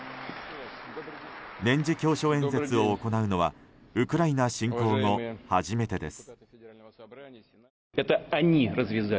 年次教書演説を行うのはウクライナ侵攻後、初めてです。